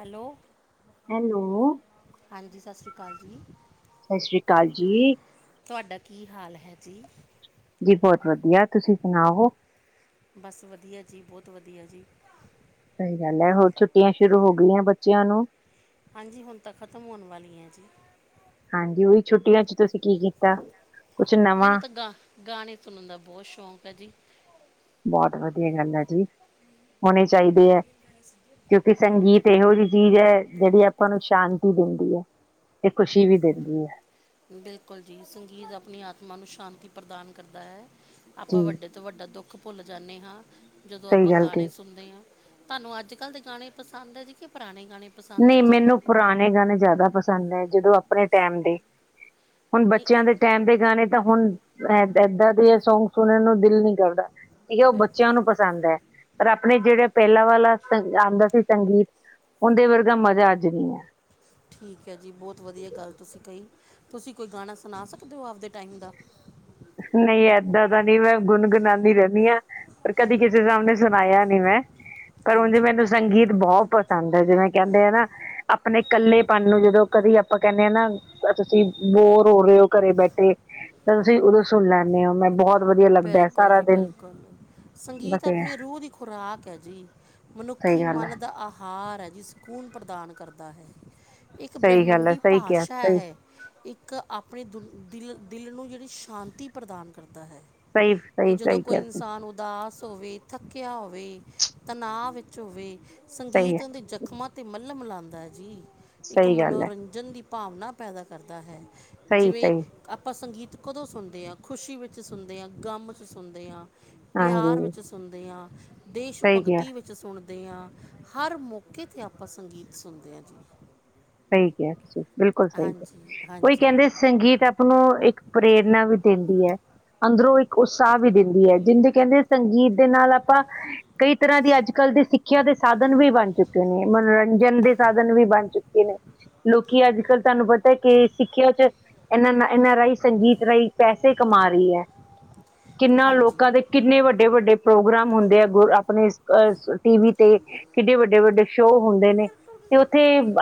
Hello hello. ਹਾਂਜੀ, ਸਾਸ ਸ੍ਰੀ ਕਾਲ ਜੀ। ਸਸ੍ਰੀ ਕਾਲ ਜੀ। ਤੁਹਾਡਾ ਕੀ ਹਾਲ ਹੈ ਜੀ? ਜੀ ਬੋਤ ਵਦੀਆ ਤੁਸੀਂ ਸੁਨਾਓ? ਬਾਸ ਵਦੀਆ ਜੀ, ਬੋਤ ਵਦੀਆ ਜੀ। ਸਹੀ ਗਾੱਲ ਐ, ਹੋਰ ਛੁੱਟੀਆਂ ਸ਼ੁਰੂ ਹੋ ਗਈਆਂ ਹੁਣ ਬੱਚੇਆਂ ਨੂੰ? ਹਾਂਜੀ, ਹੋਨ ਤਾਂ ਖ਼ਤਮ ਹੋਨ ਵਾਲੀਆ ਐ ਜੀ। ਹਾਂਜੀ, ਓਈ ਛੁੱਟੀਆਂ ਚ ਤੁਸੀਂ ਕੀ ਕੀਤਾ? ਕੁਛ ਮੈਨੂੰ ਨਵਾਂ, ਤਾਂ ਗਾ, ਗਾਣੇ ਸੁਨਨ ਦਾ ਬੋਤ ਸੋ਼ਕ ਆ ਜੀ। ਬੋਤ ਵਦੀਆ ਗਾੱਲ ਆ ਜੀ, ਹੋਨੀ ਚਾਈਦੀ ਆ ਕਿਉਂਕਿ ਸੰਗੀਤ ਏਹੋ ਜਿ ਚੀਜ ਐ ਜੇੜੀ ਆਪਾਂ ਨੂੰ ਸ਼ਾਂਤੀ ਦੇਂਦੀ ਐ, ਤੇ ਖੁਸ਼ੀ ਵੀ ਦੇਂਦੀ ਐ। ਬਿਲਕੁਲ ਜੀ ਸੰਗੀਤ ਆਪਣੀ ਆਤਮਾ ਨੂੰ ਸ਼ਾਂਤੀ ਪ੍ਰਦਾਨ ਕਰਦਾ ਐ, ਆਪਾਂ ਜੀ ਵੱਡੇ ਸਬ ਤੋ ਵੱਡਾ ਦੋੱਖ ਭੁੱਲ ਜਾਂਨੇ ਹਾਂ, ਜਦੋਂ ਸਹੀ ਆਪਾਂ ਗੱਲ ਗਾਣੇ ਕਹੀ। ਸੁਨਦੇ ਆਂ, ਥਾਂਨੂੰ ਆੱਜ-ਕਾੱਲ ਦੇ ਗਾਣੇ ਪਸਾਂਦ ਆ ਕਿ ਪਰਾਣੇ ਗਾਣੇ ਪਸੰਦ ਨਈ ਹੈ ਜੀ ਮੈਨੂੰ ਪੁਰਾਨੇ ਗਾਨੇ ਜਾਦਾ ਪਸੰਦ ਐ ਜਦੋਂ ਆਪਨੇ ਟੈਮ ਦੇ। ਹੁਨ ਨਹੀਂ ਬੱਚੇਆਂ ਦੇ ਇਹ- ਟੈਮ ਦੇ ਗਾਣੇ ਤਾਂ ਹੁਨ ਐ, ਐਦਾਂ ਦੇ ਆ ਸੌਂਗ ਸੁਣਨ ਨੂੰ ਦਿਲ ਨੀ ਕਰਦਾ। ਏਈ ਓ ਬਿਲਕੁਲ ਬੱਚੇਆਂ ਨੂੰ ਪਸੰਦ ਐ। ਪਰ ਆਪਨੇ ਜੇੜਾ ਪੇਲਾਂ ਵਾਲਾ ਸੰ, ਆਂਦਾ ਸੀ ਸੰਗੀਤ ਓਂਦੇ ਵਰ ਦਾ, ਮਜਾ ਆੱਜ ਨੀ ਐ। ਠੀਕ ਹੈ ਜੀ ਬੋਤ ਵਧੀਆ ਗੱਲ ਤੁਸੀਂ ਕਹੀ ਤੁਸੀਂ ਕੋਈ ਗਾਣਾ ਸੁਣਾ ਸਕਦੇ ਹੋ ਆਪਦੇ ਟਾਈਮ ਦਾ। ਨਹੀਂ ਏਦਾਂ ਤਾਂ ਨਹੀਂ ਮੈਂ ਗੁਨਗੁਣਾਂਦੀ ਰੈਂਦੀ ਹਾਂ। ਪਰ ਕਦੀ ਕਿਸੇ ਸਾਮਨੇ ਸੁਣਾਇਆ ਨੀ ਮੈਂ ਪਰ ਉਂਜ ਹਾਂਜੀ ਮੈਨੂੰ ਸੰਗੀਤ ਬੋਤ ਪਸੰਦ ਹੈ ਜਿਵੇਂ ਕੈਂਦੇ ਆ ਨਾ ਆਪਣੇ ਕੱਲੇਪਨ ਨੂੰ ਜਦੋਂ ਕਦੀ ਆਪਾਂ ਕੈਂਦੇ ਹਾਂ ਨਾ ਤੁਸੀਂ ਬੋਰ ਹੋ ਰਹੇ ਹੋ ਘਰੇ ਬੈਠੇ ਤੇ ਉਦੋ ਸੁਣ ਲੈਂਦੇ ਆ ਮੈਂ ਬੋਤ ਬਿਲਕੁਲ, ਜੀ। ਬਿਲਕੁਲ! ਸੰਗੀਤ ਬਸ ਇਹ ਆਪਣੇ ਰੂਹ ਦੀ ਖੁਰਾਕ ਹੈ, ਜੀ। ਸਹੀ ਮਨੁੱਖੀ ਗੱਲ ਹੈ ਮਨ ਦਾ ਆਹਾਰ ਹੈ ਜੀ ਸਕੂਨ ਪ੍ਰਦਾਨ ਕਰਦਾ ਹੈ। ਇੱਕ ਸਹੀ ਗੱਲ ਹੈ ਬ੍ਰਹਿਮੰਡੀ ਸਹੀ ਕਿਹਾ ਭਾਸ਼ਾ ਸਹੀ ਹੈ। ਇੱਕ ਆਪਣੇ ਦੁ ਦਿਲ ਦਿਲ ਨੂੰ ਜਿਹੜੀ ਸ਼ਾਂਤੀ ਪ੍ਰਦਾਨ ਕਰਦਾ ਹੈ। ਸਹੀ। ਇਹ ਜਦੋਂ ਸਹੀ ਕੋਈ ਕਿਹਾ ਤੁਸੀ ਇਨਸਾਨ ਉਦਾਸ ਹੋਵੇ, ਥੱਕਿਆ ਹੋਵੇ, ਤਣਾਅ ਵਿੱਚ ਹੋਵੇ, ਸਹੀ ਹੈ ਸੰਗੀਤ ਉਹਦੇ ਜ਼ਖ਼ਮਾਂ 'ਤੇ ਮੁਲਮ ਲਾਂਦਾ ਐ ਜੀ। ਇੱਕ ਸਹੀ ਗੱਲ ਹੈ ਮਨੋਰੰਜ ਜਣ ਦੀ ਭਾਵਨਾ ਪੈਦਾ ਕਰਦਾ ਹੈ ਸਹੀ ਜਿਵੇਂ ਸਹੀ ਆਪਾਂ ਸੰਗੀਤ ਕਦੋਂ ਸੁਣਦੇ ਹਾਂ ਖੁਸ਼ੀ ਵਿੱਚ ਸੁਣਦੇ ਹਾਂ ਗਮ 'ਚ ਸੁਣਦੇ ਹਾਂ। ਪਿਆਰ ਹਾਂਜੀ ਵਿੱਚ ਸੁਨਦੇ ਹਾਂ, ਦੇਸ਼ ਸਹੀ ਕਿਹਾ ਭਗਤੀ ਵਿੱਚ ' ਸੁਣਦੇ ਹਾਂ ਹਰ ਮੌਕੇ 'ਤੇ ਆਪਾਂ ਸੰਗੀਤ ਸੁਣਦੇ ਹਾਂ ਜੀ। ਸਹੀ ਕਿਆ ਤੁਸੀਂ ਬਿਲਕੁਲ ਸਹੀ ਕਿਆ ਹਾਂਜੀ ਕੋਈ ਹਾਂਜੀ ਕੈਂਦੇ ਸੰਗੀਤ ਹੁਣੋ ਇੱਕ ਪ੍ਰੇਰਨਾ ਵੀ ਦਿੰਦੀ ਹੈ। ਅੰਦਰੋਂ ਇੱਕ ਉਤਸ਼ਾਹ ਵੀ ਦਿੰਦੀ ਹੈ, ਜਿੰਦੇ ਕਹਿੰਦੇ ਸੰਗੀਤ ਦੇ ਨਾਲ ਆਪਾਂ ਕਈ ਤਰ੍ਹਾਂ ਦੀ ਅੱਜ-ਕੱਲ੍ਹ ਦੇ ਸਿੱਖਿਆ ਦੇ ਸਾਧਨ ਵੀ ਬਣ ਚੁੱਕੇ ਨੇ ਮਨੋਰੰਜਨ ਦੇ ਸਾਧਨ ਵੀ ਬਣ ਚੁੱਕੇ ਲੋਕੀ ਅੱਜ-ਕੱਲ੍ਹ ਤਾਨੂੰ ਪਤਾ ਕਿ ਸਿੱਖਿਆ ਚ ਇਨਾਂ ਇਨਾਂ ਰਾਹੀਂ ਸੰਗੀਤ ਰਾਹੀਂ ਪੈਸੇ ਕਮਾ ਰਹੀ ਹੈ ਕਿੰਨਾ ਹਾਂਜੀ ਲੋਕਾਂ ਦੇ ਕਿੰਨੇ ਵੱਡੇ-ਵੱਡੇ ਪ੍ਰੋਗਰਾਮ ਹੁੰਦੇ ਆ, ਗੁਰ ਆਪਣੇ ਇਸ ਅ ਟੀ ਵੀ ਤੇ ਕਿੱਡੇ ਵੱਡੇ-ਵੱਡੇ ਸ਼ੋਅ ਹੁੰਦੇ ਨੇ ਤੇ ਉੱਥੇ-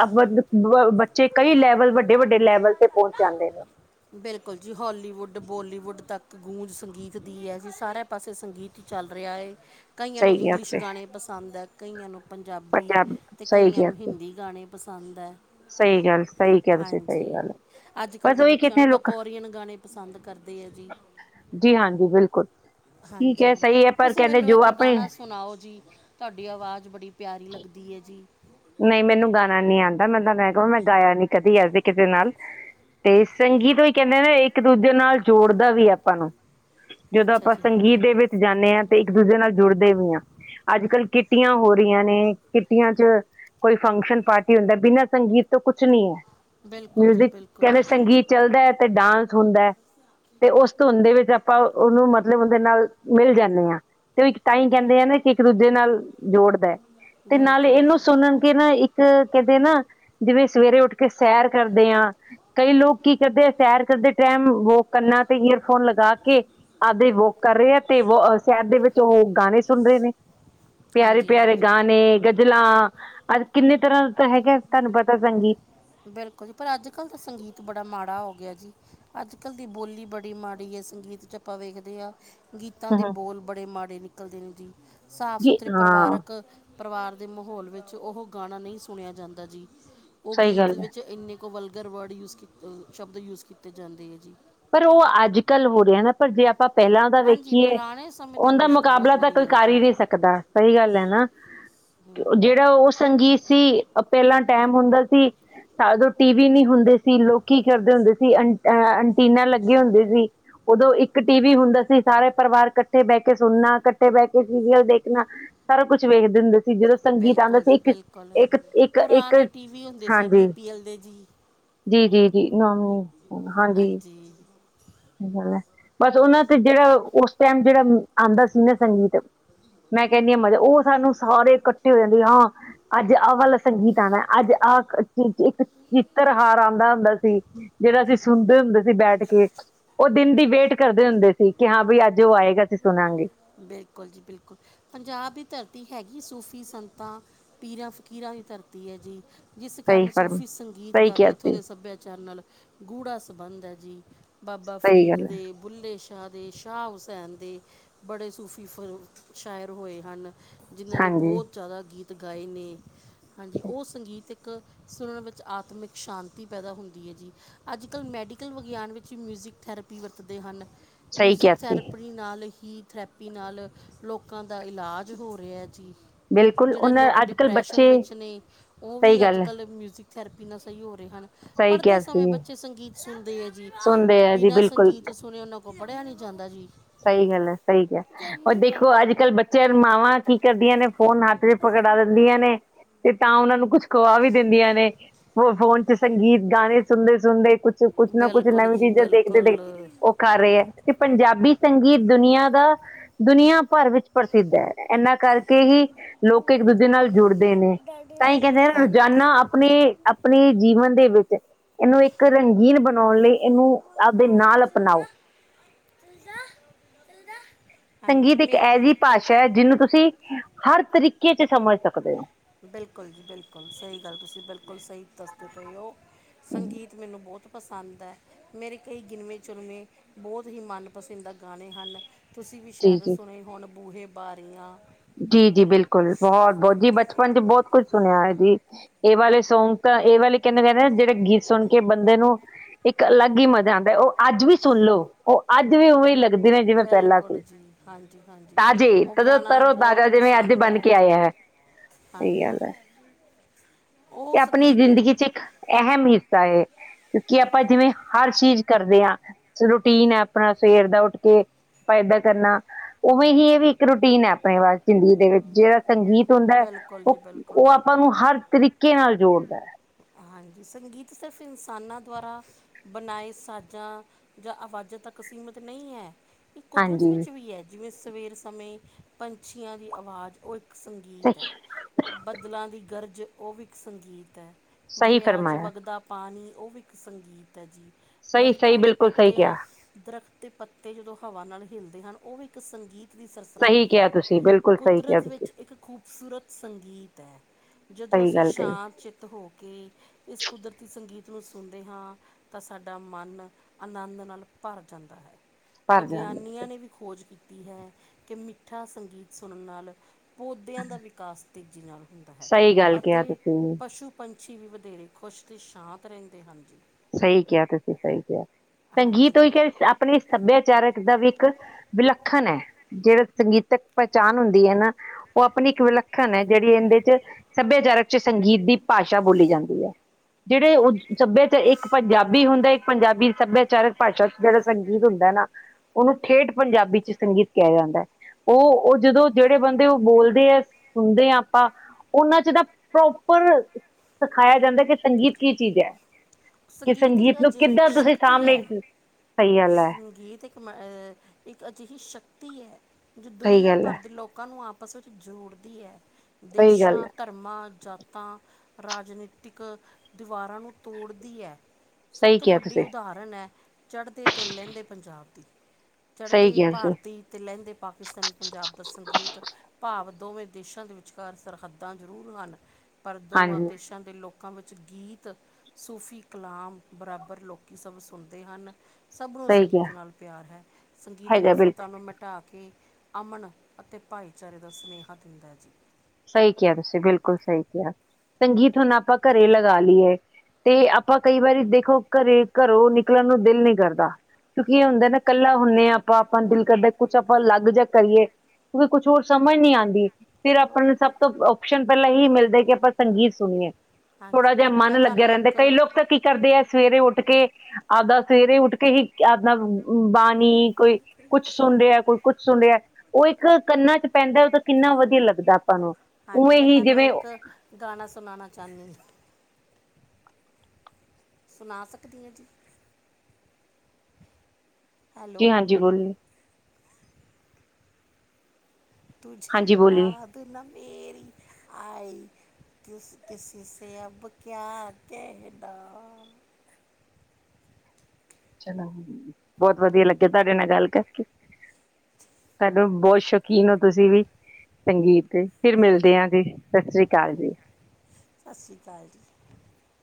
ਬੱਚੇ ਕਈ ਲੈਵਲ ਵੱਡੇ ਵੱਡੇ ਲੈਵਲ ਤੇ ਪੋਂਚ ਜਾਂਦੇ ਨੇ। ਬਿਲਕੁਲ ਜੀ ਹੋਲੀਵੁੱਡ ਬੋਲੀਵੁੱਡ ਤੱਕ ਗੂੰਜ ਸੰਗੀਤ ਦੀ ਹੈ ਜੀ ਸਾਰਾ ਪਾਸੇ ਸੰਗੀਤ ਹੀ ਚੱਲ ਰਿਹਾ ਹੈ। ਕਈਆਂ ਸਹੀ ਨੂੰ ਕਿਹਾ ਇੰਗਲਿਸ਼ ਤੁਸੀਂ ਗਾਣੇ ਪਸੰਦ ਹੈ, ਕਈਆਂ ਨੂੰ ਪੰਜਾਬੀ ਪੰਜਾਬ ਤੇ ਸਹੀ ਕਈਆਂ ਕਿਹਾ ਨੂੰ ਤੁਸੀਂ ਹਿੰਦੀ ਗਾਣੇ ਪਸੰਦ ਹੈ ਸਹੀ ਗੱਲ ਸਹੀ ਕਿਹਾ ਤੁਸੀਂ ਸਹੀ ਹਾਂਜੀ ਗੱਲ ਹੈ ਅੱਜ ਕੱਲ੍ਹ ਬਸ ਦੇ ਉਹੀ ਬੱਚੇ ਕਿਤੇ ਸਾਨੂੰ ਤਾਂ ਲੋਕ ਕੋਰੀਅਨ ਗਾਣੇ ਪਸੰਦ ਕਰਦੇ ਹੈ ਜੀ। ਜੀ ਹਾਂਜੀ ਬਿਲਕੁਲ ਠੀਕ ਹਾਂਜੀ ਹੈ ਸਹੀ ਹੈ ਪਰ ਤੁਸੀਂ ਕੈਂਦੇ ਮੈਨੂੰ ਜੋ ਇੱਕ ਆਪਣੇ ਗਾਣਾ ਸੁਣਾਓ ਜੀ ਤੁਹਾਡੀ ਆਵਾਜ਼ ਬੜੀ ਪਿਆਰੀ ਲੱਗਦੀ ਹੈ ਜੀ। ਨਹੀਂ, ਮੈਨੂੰ ਗਾਣਾ ਨੀ ਆਂਦਾ। ਮੈ ਤਾਂ ਮੈਂ ਕਵਾਂ ਮੈਂ ਗਾਇਆ ਨੀ ਕਦੀ, ਐੇ ਕਿਸੇ ਨਾਲ ਤੇ ਸੰਗੀਤ ਓਹੀ ਕੈਂਦੇ ਨਾ ਇੱਕ ਦੂਜੇ ਨਾਲ ਜੋੜਦਾ ਵੀ ਆਪਾਂ ਨੂੰ। ਜਦੋਂ ਅੱਛਾ ਆਪਾਂ ਜੀ ਸੰਗੀਤ ਦੇ ਵਿੱਚ ਜਾਂਨੇ ਹਾਂ, ਤੇ ਇੱਕ-ਦੂਜੇ ਨਾਲ ਜੁੜਦੇ ਵੀ ਹਾਂ। ਅੱਜ-ਕੱਲ੍ਹ ਕਿੱਟੀਆਂ ਹੋ ਰਹੀਆਂ ਨੇ ਕਿੱਟੀਆਂ ਚ ਕੋਈ ਫੰਕਸ਼ਨ ਪਾਰਟੀ ਹੁੰਦਾ ਬਿਨਾਂ ਸੰਗੀਤ ਤੋਂ ਕੁਛ ਨਈ ਹੈ ਬਿਲਕੁਲ ਜੀ ਮਿਊਜ਼ਿਕ ਬਿਲਕੁਲ ਕੈਂਦੇ ਸੰਗੀਤ ਚਲਦਾ ਹੈ ਤੇ ਡਾਂਸ ਹੁੰਦਾ ਹੈ ਤੇ ਉਸ ਧੁੰਨ ਦੇ ਵਿੱਚ ਆਪਾਂ ਉਹਨੂੰ ਮਤਲਬ ਤੇ ਨਾਲ ਮਿਲ ਜਾਂਦੇ ਹਾਂ ਤੇ ਉਹ ਇੱਕ ਤਾਂਹੀ ਕੈਂ ਦੇ ਆ ਨਾ ਕਿ ਇੱਕ ਦੂਜੇ ਨਾਲ ਜੋੜਦੈ ਤੇ ਨਾਲੇ ਬਿਲਕੁਲ ਇਹਨੂੰ ਜੀ ਸੁਣਨ ਕੇ ਨਾ ਇੱਕ ਕੈਂਦੇ ਨਾ ਜਿਵੇਂ ਸਵੇਰੇ ਉੱਠ ਕੇ ਸੈਰ ਕਰਦੇ ਹਾਂ ਕਈ ਲੋਕ ਕੀ ਕਰਦੇ ਆ ਸੈਰ ਕਰਦੇ ਟੈਮ ਵੋਕ ਕਰਨਾ ਈਅਰਫੋਨ ਲਗਾ ਕੇ ਅੱਧੇ ਵਾਲਕ ਕਰ ਰਹੇ ਆ ਤੇ ਸੈਰ ਦੇ ਵਿੱਚ ਉਹ ਗਾਣੇ ਸੁਣ ਰਹੇ ਨੇ। ਹਾਂਜੀ ਪਿਆਰੇ-ਪਿਆਰੇ ਹਾਂਜੀ ਗਾਣੇ ਗਜ਼ਲਾਂ ਅੱਜ ਕਿੰਨੇ ਤਰ੍ਹਾਂ ਤਾਂ ਹੈਗਾ ਤਾਨੂੰ ਪਤਾ ਸੰਗੀਤ। ਬਿਲਕੁਲ ਜੀ ਪਰ ਅੱਜ ਕੱਲ੍ਹ ਤਾਂ ਸੰਗੀਤ ਬੜਾ ਮਾੜਾ ਹੋ ਗਿਆ ਜੀ ਅੱਜ ਕੱਲ੍ਹ ਦੀ ਬੋਲੀ ਬੜੀ ਮਾੜੀ ਹੈ ਸੰਗੀਤ ਚ। ਆਪਾਂ ਵੇਖਦੇ ਹਾਂ ਗੀਤਾਂ ਹਮ ਦੇ ਹਮ ਬੋਲ ਬੜੇ ਮਾੜੇ ਨਿਕਲਦੇ ਨੇ ਜੀ ਸਾਫ਼ ਜੀ ਸੁਥਰੇ ਹਾਂ ਪਰਿਵਾਰਕ ਪਰਿਵਾਰ ਦੇ ਮਾਹੌਲ ਵਿੱਚ ਉਹ ਗਾਣਾ ਨਹੀਂ ਸੁਣਿਆ ਜਾਂਦਾ ਜੀ ਉਹ ਸਹੀ ਗੀਤ ਗੱਲ ਹੈ 'ਚ ਇੰਨੇ ਕੁ ਵਲਗਰ ਵਰਡ ਯੂਜ ਕੀ ਸ਼ਬਦ ਯੂਜ ਕੀਤੇ ਜਾਂਦੇ ਹੈ ਜੀ। ਪਰ ਉਹ ਅੱਜ-ਕੱਲ੍ਹ ਹੋ ਰਿਹਾ ਨਾ, ਪਰ ਜੇ ਆਪਾਂ ਪਹਿਲਾਂ ਦਾ ਹਾਂਜੀ ਵੇਖੀਏ ਪੁਰਾਣੇ ਸਮੇਂ ਤੇ ਉਂਦਾ ਬਹੁਤ ਮੁਕਾਬਲਾ ਤਾਂ ਕੋਈ ਵਧੀਆ ਹੈ ਕਰ ਹੀ ਜੀ ਨਹੀਂ ਸਕਦਾ। ਸਹੀ ਗੱਲ ਹੈ ਨਾ ਜਿਹੜਾ ਉਸ ਸੰਗੀਤ ਸੀ ਪਹਿਲਾਂ ਟੈਮ ਹੁੰਦਾ ਸੀ ਓਦੋਂ ਟੀ ਵੀ ਨਹੀਂ ਹੁੰਦੇ ਸੀ ਲੋਕੀ ਕਰਦੇ ਹੁੰਦੇ ਸੀ ਅ ਅਹ ਅੰਟੀਨਾ ਲੱਗੇ ਹੁੰਦੇ ਸੀ। ਉਦੋਂ ਇੱਕ ਟੀ ਵੀ ਹੁੰਦਾ ਸੀ ਸਾਰੇ ਪਰਿਵਾਰ ਕੱਠੇ ਬਹਿ ਕੇ ਸੁਣਨਾ ਕੱਠੇ ਬਹਿ ਕੇ ਸੀਰੀਅਲ ਦੇਖਣਾ। ਸਾਰਾ ਕੁੱਛ ਵੇਖਦੇ ਹੁੰਦੇ ਜਦੋਂ ਸੰਗੀਤ ਆਂਦਾ ਬਿਲਕੁਲ ਸੀ ਜੀ ਇੱਕ ਬਿਲਕੁਲ ਇੱਕ ਇੱਕ ਇੱਕ ਪੁਰਾਣੇ ਟੀਵੀ ਹੁੰਦੇ ਸੀ ਹਾਂਜੀ। ਬੀਪੀਐਲ ਦੇ ਜੀ ਜੀ-ਜੀ-ਜੀ ਨਾ ਹਾਂਜੀ। ਗੱਲ ਹੈ ਬਸ ਉਹਨਾਂ ਤੇ ਜਿਹੜਾ ਉਸ ਟਾਈਮ ਜਿਹੜਾ ਆਉਂਦਾ ਸੀ ਨਾ ਸੰਗੀਤ ਮੈਂ ਕਹਿੰਦੀ ਹਾਂ ਮਜ਼ਾ ਉਹ ਸਾਨੂੰ ਸਾਰੇ ਇਕੱਠੇ ਹੋ ਜਾਂਦੇ ਹਾਂ ਅੱਜ ਆਹ ਵਾਲਾ ਸੰਗੀਤ ਆਉਂਦਾ ਅੱਜ ਆਹ ਇੱਕ ਚਿੱਤਰ ਹਾਰ ਆਉਂਦਾ ਹੁੰਦਾ ਸੀ। ਜੇੜਾ ਅਸੀਂ ਸੁਨਦੇ ਹੁੰਦੇ ਸੀ। ਬੈਠ ਕੇ ਉਹ ਦਿਨ ਦੀ ਵੇਟ ਕਰਦੇ ਹੁੰਦੇ ਸੀ, ਕਿ ਹਾਂ ਬਈ ਅੱਜ ਉਹ ਆਏਗਾ, ਤੇ ਸੁਣਾਂਗੇ। ਬਿਲਕੁਲ ਜੀ ਬਿਲਕੁਲ ਪੰਜਾਬ ਦੀ ਧਰਤੀ ਹੈਗੀ ਸੂਫ਼ੀ ਸੰਤਾਂ ਪੀਰਾਂ ਫ਼ਕੀਰਾਂ ਦੀ ਧਰਤੀ ਹੈ ਜੀ। ਜਿਸ ਸਹੀ ਕਾਰਨ ਫਰਮ ਸੂਫ਼ੀ ਸੰਗੀਤ ਸਹੀ ਦਾ ਵੀ ਕਿਹਾ ਇੱਥੋਂ ਸੀ ਦੇ ਸੱਭਿਆਚਾਰ ਨਾਲ ਗੂੜਾ ਸਬੰਧ ਹੈ, ਜੀ। ਬਾਬਾ ਸਹੀ ਫਰੀਦ ਗੱਲ ਹੈ ਦੇ ਭੁੱਲੇ ਸ਼ਾਹ ਦੇ ਸ਼ਾਹ ਹੁਸੈਨ ਦੇ। ਬੜੇ ਸੂਫ਼ੀ ਫ ਸ਼ਾਇਰ ਹੋਏ ਹਨ ਜਿਨ੍ਹਾਂ ਨੇ ਹਾਂਜੀ ਬਹੁਤ ਜ਼ਿਆਦਾ ਗੀਤ ਗਾਏ ਨੇ ਹਾਂਜੀ, ਉਹ ਸੰਗੀਤ ਇੱਕ ਸੁਣਨ ਵਿੱਚ ਆਤਮਿਕ ਸ਼ਾਂਤੀ ਪੈਦਾ ਹੁੰਦੀ ਐ, ਜੀ। ਅੱਜ-ਕੱਲ੍ਹ ਮੈਡੀਕਲ ਵਿਗਿਆਨ ਵਿੱਚ ਮਿਊਜ਼ਿਕ ਥੈਰੇਪੀ ਵਰਤਦੇ ਹਨ। ਸਹੀ ਮਿਊਜ਼ਿਕ ਕਿਹਾ ਸੀ ਥੈਰੇਪਰੀ ਨਾਲ ਹੀ। ਥਰੈਪੀ ਨਾਲ ਲੋਕਾਂ ਦਾ ਇਲਾਜ ਹੋ ਰਿਹਾ ਜੀ। ਬਿਲਕੁਲ ਜਿਹੜੇ ਉਹਨਾਂ ਲੋਕ ਅੱਜ ਕੱਲ ਡਿਪਰੈਸ਼ਨ ਬੱਚੇ ਵਿੱਚ ਨੇ ਉਹ ਸਹੀ ਵੀ ਗੱਲ ਹੈ ਅੱਜ-ਕੱਲ੍ਹ ਮਿਊਜਿਕ ਥੈਰੇਪੀ ਨਾਲ ਸਹੀ ਹੋ ਰਹੇ ਹਨ। ਸਹੀ ਪੜ੍ਹਦੇ ਕਿਹਾ ਸਮੇਂ ਸੀ ਬੱਚੇ ਸੰਗੀਤ ਸੁਣਦੇ ਹੈ, ਜੀ। ਸੁਣਦੇ ਆ ਜੀ ਬਿਨਾਂ ਬਿਲਕੁਲ ਸੰਗੀਤ ਸੁਣ ਉਹਨਾਂ ਉਹ ਪੜਿਆ ਨਹੀਂ ਜਾਂਦਾ ਜੀ। ਸਹੀ ਗੱਲ ਸਹੀ ਕਿਹਾ। ਉਹ ਦੇਖੋ ਅੱਜ-ਕੱਲ੍ਹ ਬੱਚਿਆਂ ਮਾਵਾਂ ਕੀ ਕਰਦੀਆਂ ਨੇ ਫੋਨ ਹੱਥ ਚ ਪਕੜਾ ਦਿੰਦੀਆਂ ਨੇ ਤੇ ਤਾਂ ਉਹਨਾਂ ਨੂੰ ਕੁਛ ਖੁਆ ਵੀ ਦਿੰਦੀਆਂ ਨੇ ਉਹ ਫੋਨ ਚ ਸੰਗੀਤ ਗਾਣੇ ਸੁਣਦੇ-ਸੁਣਦੇ ਕੁਛ ਕੁੱਛ ਨਾ ਕੁਛ ਬਿਲਕੁਲ ਨਵੀਂ ਜੀ ਚੀਜ਼ਾਂ ਦੇਖਦੇ ਬਿਲਕੁਲ ਦੇਖ ਉਹ ਕਰ ਰਹੇ ਹੈ ਕਿ ਪੰਜਾਬੀ ਸੰਗੀਤ ਦੁਨੀਆਂ ਦਾ ਦੁਨੀਆਂ ਭਰ ਵਿੱਚ ਪ੍ਰਸਿੱਧ ਹੈ ਇਹਨਾ ਕਰਕੇ ਹੀ ਲੋਕ ਇੱਕ ਦੂਜੇ ਨਾਲ ਜੁੜਦੇ ਨੇ। ਡੈਡੀ ਨਾਲ ਤਾਂਈ ਕਹਿੰਦੇ ਦੁਕਾਨ ਤੇ ਰੋਜ਼ਾਨਾ ਚੱਲਦਾ ਆਪਣੇ ਆਪਣੇ ਜੀਵਨ ਦੇ ਵਿੱਚ ਇਹਨੂੰ ਇੱਕ ਰੰਗੀਨ ਬਣਾਉਣ ਲਈ ਇਹਨੂੰ ਉਹ ਆਪਦੇ ਨਾਲ ਅਪਣਾਓ ਪੂਜਾ ਸੰਗੀਤ ਇੱਕ ਐਹੇਜੀ ਭਾਸ਼ਾ ਹੈ, ਜਿਹਨੂੰ ਤੁਸੀਂ ਹਰ ਤਰੀਕੇ ਚ ਸਮਝ ਸਕਦੇ ਹੋ। ਬਿਲਕੁਲ, ਜੀ। ਬਿਲਕੁਲ ਸਹੀ ਗੱਲ! ਤੁਸੀਂ ਬਿਲਕੁਲ ਸਹੀ ਦੱਸਦੇ ਪਏ ਓ। ਸੰਗੀਤ ਮੈਨੂੰ ਬਹੁਤ ਪਸੰਦ ਹੈ। ਮੇਰੇ ਕਈ ਗਿਣਵੇਂ ਚੁਲਵੇਂ ਬਹੁਤ ਹੀ ਮਨਪਸੰਦ ਗਾਣੇ ਹਨ। ਤੁਸੀਂ ਵੀ ਜੀ ਸ਼ਾਇਦ ਜੀ ਸੁਣੇ ਹੋੁਣ ਬੂਹੇ ਬਾਰੀਆਂ। ਜੀ ਜੀ, ਬਿਲਕੁਲ। ਉਹ ਬਹੁਤ-ਬਹੁਤ ਬਚਪਨ ਚ ਬਹੁਤ ਕੁਛ ਸੁਣਿਆ ਹੈ, ਜੀ। ਇਹ ਵਾਲੇ ਸੌਂਗ ਤਾਂ ਇਹ ਵਾਲੇ ਕਹਿੰਦੇ ਨੇ ਨਾ ਜਿਹੜੇ ਗੀਤ ਸੁਣ ਕੇ ਬੰਦੇ ਨੂੰ ਇੱਕ ਅਲੱਗ ਹੀ ਮਜ਼ਾ ਆਂਦਾ, ਉਹ ਅੱਜ ਵੀ ਸੁਣ ਲੋ, ਉਹ ਅੱਜ ਵੀ ਉਹੀ ਲੱਗ ਜਿਵੇਂ- ਜਿਵੇਂ ਪਹਿਲਾਂ ਸੀ ਬਿਲਕੁਲ ਜੀ ਹਾਂਜੀ ਹਾਂਜੀ ਤਾਜ਼ੇ ਉਹ ਤਦੋਂ ਗਾਣਾ ਤੋਂ ਤਾਜ਼ਾ ਬਹੁਤ ਜਿਵੇਂ ਅੱਜ ਪਸੰਦ ਬਣ ਕੇ ਆਇਆ ਹੈ ਸਹੀ ਹਾਂਜੀ ਗੱਲ ਹੈ। ਇਹ ਉਹ ਆਪਣੀ ਸੰਗੀਤ ਜ਼ਿੰਦਗੀ'ਚ ਇੱਕ ਅਹਿਮ ਹਿੱਸਾ ਏ। ਕਿਉਂਕਿ ਆਪਾਂ ਜਿਵੇਂ ਹਰ ਚੀਜ਼ ਕਰਦੇ ਹਾਂ ਰੂਟੀਨ ਹੈ ਆਪਣਾ ਸਵੇਰ ਦਾ ਉੱਠ ਕੇ ਆਪਾਂ ਏਦਾਂ ਕਰਨਾ ਉਵੇਂ ਹੀ ਇਹ ਵੀ ਇੱਕ ਰੂਟੀਨ ਐ, ਆਪਣੇ ਵਾ--ਜ਼ਿੰਦਗੀ ਦੇ ਵਿੱਚ, ਜਿਹੜਾ ਸੰਗੀਤ ਹੁੰਦਾ ਹੈ ਬਿਲਕੁਲ ਜੀ ਉਹ ਬਿਲਕੁਲ ਉਹ ਆਪਾਂ ਨੂੰ ਹਰ ਤਰੀਕੇ ਨਾਲ ਜੋੜਦਾ ਹੈ। ਹਾਂਜੀ ਸੰਗੀਤ ਸਿਰਫ ਇਨਸਾਨਾਂ ਦੁਆਰਾ ਬਣਾਏ ਸਾਜ਼ਾਂ ਜਾਂ ਆਵਾਜ਼ਾਂ ਤੱਕ ਸੀਮਿਤ ਨਹੀਂ ਹੈ। ਕੁਦਰਤ ਹਾਂਜੀ ਵਿੱਚ ਵੀ ਐ, ਜਿਵੇਂ ਸਵੇਰ ਸਮੇਂ ਪੰਛੀਆਂ ਦੀ ਆਵਾਜ਼ ਉਹ ਇੱਕ ਸੰਗੀਤ ਹੈ ਸਹੀ ਬੱਦਲਾਂ ਦੀ ਗਰਜ ਉਹ ਵੀ ਇੱਕ ਸੰਗੀਤ ਹੈ। ਸਹੀ ਦਰਿਆ ਚ ਫਰਮਾਇਆ ਵਗਦਾ ਪਾਣੀ ਉਹ ਵੀ ਇੱਕ ਸੰਗੀਤ ਹੈ ਜੀ। ਸਹੀ ਸਹੀ ਦਰਖਤਾਂ ਦੇ ਬਿਲਕੁਲ ਸਹੀ ਪੱਤਿਆਂ ਕਿਹਾ ਦਰਖਤ ਦੇ ਪੱਤੇ ਜਦੋਂ ਹਵਾ ਨਾਲ ਹਿੱਲਦੇ ਹਨ ਉਹ ਵੀ ਇੱਕ ਸੰਗੀਤ। ਕਿਨੀ ਸਰ ਸਹੀ ਸਰਾਹਤ ਕਿਹਾ ਹੈ ਤੁਸੀਂ ਬਿਲਕੁਲ ਸਹੀ ਕਿਹਾ ਕੁਦਰਤ ਤੁਸੀਂ ਵਿੱਚ ਇੱਕ ਖੂਬਸੂਰਤ ਸੰਗੀਤ ਹੈ ਜਦੋਂ ਸਹੀ ਅਸੀਂ ਗੱਲ ਕਹੀ ਸ਼ਾਂ ਚ ਹੋਕੇ, ਇਸ ਕੁਦਰਤੀ ਸੰਗੀਤ ਨੂੰ ਸੁਣਦੇ ਹਾਂ। ਤਾਂ ਸਾਡਾ ਮਨ ਆਨੰਦ ਨਾਲ ਭਰ ਜਾਂਦਾ ਹੈ। ਭਰ ਜਾਂਦੇ ਆ ਵਿਗਿਆਨੀਆਂ ਫਿਰ। ਨੇ ਵੀ ਖੋਜ ਕੀਤੀ ਹੈ ਕਿ ਮਿੱਠਾ ਸੰਗੀਤ ਸੁਣਨ ਨਾਲ ਪੌਦਿਆਂ ਦਾ ਵਿਕਾਸ ਤੇਜ਼ੀ ਨਾਲ ਹੁੰਦਾ ਹੈ ਸਹੀ ਗੱਲ ਕਿਹਾ ਅਤੇ ਤੁਸੀਂ ਪਸ਼ੂ ਪੰਛੀ ਵੀ ਵਧੇਰੇ ਖੁਸ਼ ਤੇ ਸ਼ਾਂਤ ਰਹਿੰਦੇ ਹਨਾਂ ਜੀ ਸਹੀ ਕਿਆ, ਤੁਸੀਂ ਸਹੀ ਕਿਆ, ਸੰਗੀਤ ਉਹੀ ਹਾਂਜੀ, ਕ ਆਪਣੇ ਸੱਭਿਆਚਾਰਕ ਦਾ ਵੀ ਇੱਕ ਵਿਲੱਖਣ ਹੈ। ਜਿਹੜਾ ਸੰਗੀਤਕ ਪਹਿਚਾਣ ਹੁੰਦੀ ਹੈ ਨਾ ਉਹ ਆਪਣੀ ਇੱਕ ਵਿਲੱਖਣ ਹੈ ਜਿਹੜੀ ਇਹਦੇ ਚ ਸੱਭਿਆਚਾਰਕ'ਚ ਸੰਗੀਤ ਦੀ ਭਾਸ਼ਾ ਬੋਲੀ ਜਾਂਦੀ ਐ, ਜਿਹੜੇ ਉਹ ਸੱਭਿਆ ਇੱਕ ਪੰਜਾਬੀ ਹੁੰਦਾ ਇੱਕ ਪੰਜਾਬੀ ਸੱਭਿਆਚਾਰਕ ਭਾਸ਼ਾ ਚ ਜਿਹੜਾ ਸੰਗੀਤ ਹੁੰਦਾ ਨਾ। ਉਹਨੂੰ ਠੇਠ ਪੰਜਾਬੀ ਚ ਸੰਗੀਤ ਕਿਹਾ ਜਾਂਦਾ ਹੈ। ਉਹ ਉਹ ਜਦੋਂ ਜਿਹੜੇ ਬੰਦੇ ਉਹ ਬੋਲਦੇ ਆ ਸੁਣਦੇ ਆ ਆਪਾਂ ਉਹਨਾਂ'ਚ ਤਾਂ ਪ੍ਰੋਪਰ ਸਿਖਾਇਆ ਜਾਂਦਾ, ਕਿ ਸੰਗੀਤ ਕੀ ਚੀਜ਼ ਐ। ਸੰਗੀਤ ਇੱਕ ਅਜਿਹੀ ਸ਼ਕਤੀ ਸਾਹਮਣੇ ਹੈ। ਸਹੀ ਗੱਲ ਹੈ ਸੰਗੀਤ ਇੱਕ ਇੱਕ ਅਜਿਹੀ ਸ਼ਕਤੀ ਹੈ, ਜੋ ਸਹੀ ਦੁਨੀਆ ਗੱਲ ਹੈ, ਭਰ ਦੇ ਲੋਕਾਂ ਨੂੰ ਆਪ ਆਪਸ ਵਿੱਚ ਜੋੜਦੀ ਹੈ, ਸਹੀ ਗੱਲ ਦੇਸ਼ਾਂ, ਹੈ, ਧਰਮਾਂ, ਜਾਤਾਂ ਰਾਜਨੀਤਿਕ ਦੀਵਾਰਾਂ ਨੂੰ ਤੋੜਦੀ ਐ, ਸਭ ਸਹੀ ਤੋਂ ਕਿਹਾ ਵੱਡੀ ਤੁਸੀਂ, ਉਦਾਹਰਣ ਚੜ੍ਹਦੇ ਤੇ ਲਹਿੰਦੇ ਪੰਜਾਬ ਦੀ, ਸਹੀ ਚੜ੍ਹਦੇ ਕਿਹਾ ਤੁਸੀਂ, ਭਾਰਤੀ ਤੇ ਲਹਿੰਦੇ ਪਾਕਿਸਤਾਨੀ ਪੰਜਾਬ ਦਾ ਸੰਗੀਤ। ਭਾਵ। ਦੋਵੇਂ ਦੇਸ਼ਾਂ ਦੇ ਵਿਚਕਾਰ ਸਰਹੱਦਾਂ ਜ਼ਰੂਰ ਹਨ। ਪਰ ਦੋਵਾਂ ਹਾਂਜੀ ਦੇਸ਼ਾਂ ਦੇ ਲੋਕਾਂ ਵਿੱਚ ਗੀਤ ਸੂਫ਼ੀ ਕਲਾਮ, ਬਰਾਬਰ ਲੋਕੀ ਸਭ ਸੁਣਦੇ ਹਨ। ਸਭ ਨੁੰ ਸਹੀ ਸੰਗੀਤ ਕਿਹਾ, ਨਾਲ ਪਿਆਰ ਹੈ। ਸੰਗੀਤ ਹੈਗਾ ਬਿਲਕੁਲ ਨਫ਼ਰਤਾਂ ਨੂੰ ਮਿਟਾਕੇ ਅਮਨ ਅਤੇ ਭਾਈਚਾਰੇ ਦਾ ਸੁਨੇਹਾ ਦਿੰਦਾ ਜੀ। ਸਹੀ ਕਿਹਾ ਤੁਸੀਂ, ਬਿਲਕੁਲ ਸਹੀ ਕਿਹਾ, ਸੰਗੀਤ ਹੁਣ ਆਪਾਂ ਘਰੇ ਲਗਾ ਲਈਏ। ਤੇ ਆਪਾਂ ਕਈ ਵਾਰੀ, ਦੇਖੋ ਘਰੇ, ਘਰੋਂ ਨਿਕਲਣ ਨੂੰ ਦਿਲ ਨਹੀਂ ਕਰਦਾ। ਕਿਉਂਕਿ ਇਹ ਹੁੰਦਾ ਨਾ, ਇਕੱਲਾ ਹੁੰਦੇ ਹਾਂ ਆਪਾਂ, ਆਪਾਂ ਨੂੰ ਦਿਲ ਕਰਦੇ ਕੁੱਛ ਆਪਾਂ ਅਲੱਗ ਜਿ ਕਰੀਏ ਕਿਉਕਿ, ਕੁਛ ਹੋਰ ਸਮਝ ਨੀ ਆਉਂਦੀ। ਫਿਰ ਚਲੋ ਆਪਾਂ ਨੂੰ ਸਭ ਤੋਂ ਉਪਸ਼ਨ, ਪਹਿਲਾਂ ਇਹੀ ਮਿਲਦਾ ਕਿ ਆਪਾਂ ਸੰਗੀਤ ਸੁਣੀਏ ਥੋੜਾ ਹਾਂਜੀ ਜਿਹਾ ਮੈਂ ਮਨ ਲੱਗਿਆ ਤੁਹਾਨੂੰ ਰਹਿੰਦਾ, ਇੱਕ ਕਈ ਲੋਕ ਤਾਂ ਕੀ ਕਰਦੇ ਆ ਸਵੇਰੇ ਉੱਠ ਉੱਠ ਕੇ, ਆਪਦਾ ਸਵੇਰੇ ਉੱਠ ਕੇ ਹੀ ਆਪਣਾ। ਬਾਣੀ, ਕੋਈ ਕੁੱਛ ਸੁਣ ਰਿਹਾ, ਕੋਈ ਕੁੱਛ ਸੁਣ ਰਿਹਾ। ਉਹ ਇੱਕ ਕੰਨਾਂ 'ਚ ਪੈਂਦਾ, ਉਹ ਤਾਂ ਕਿੰਨਾ ਵਧੀਆ ਲੱਗਦਾ ਆਪਾਂ ਨੂੰ। ਹਾਂਜੀ, ਉਵੇਂ ਮੈਂ ਹੀ ਤੁਹਾਨੂੰ ਜਿਵੇਂ ਇੱਕ, ਗਾਣਾ ਸੁਣਾਉਣਾ ਚਾਹੁੰਦੀ ਹਾਂ। ਸੁਣਾ ਸਕਦੀ ਹਾਂ ਜੀ। ਕੀ, ਹੈਲੋ ਹਾਂਜੀ ਬੋਲੀਏ ਤੁਝੇ ਹਾਂਜੀ ਬੋਲੀਏ ਯਾਦ ਨਾ ਮੇਰੀ ਆਈ ਕਿ ਕਿਸੀ ਸੇ ਅਬ ਕਿਆ ਕਹਿਣਾ। ਬਹੁਤ ਵਧੀਆ ਲੱਗਿਆ, ਤੁਹਾਡੇ ਨਾਲ ਗੱਲ ਕਰਕੇ। ਤਾਂਨੂੰ ਬਹੁਤ ਸ਼ਕੀਨ ਹੋ, ਤੁਸੀਂ ਵੀ। ਸੰਗੀਤ ਤੇ, ਫਿਰ ਮਿਲਦੇ ਆਂ ਜੀ, ਸਤਿ ਸ੍ਰੀ ਅਕਾਲ ਜੀ। ਸਤਿ ਸ੍ਰੀ ਅਕਾਲ ਜੀ